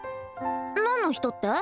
何の人って？